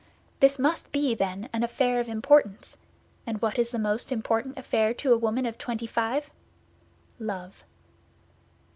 This must be, then, an affair of importance; and what is the most important affair to a woman of twenty five! Love.